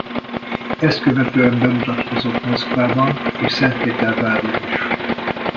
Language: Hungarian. Ezt követően bemutatkozott Moszkvában és Szentpéterváron is.